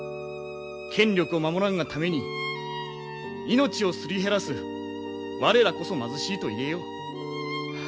権力を守らんがために命をすり減らす我らこそ貧しいと言えよう。